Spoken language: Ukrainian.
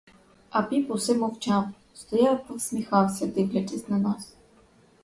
А піп усе мовчав, стояв та всміхався, дивлячись на нас.